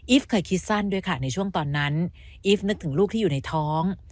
เคยคิดสั้นด้วยค่ะในช่วงตอนนั้นอีฟนึกถึงลูกที่อยู่ในท้อง